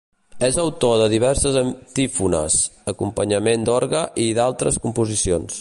És autor de diverses antífones, acompanyament d'orgue i d'altres composicions.